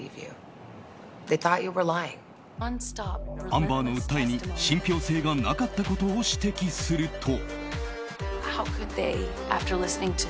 アンバーの訴えに信憑性がなかったことを指摘すると。